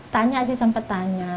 tanya sih sempat tanya